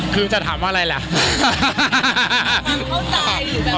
คือจะถามอะไรแหละ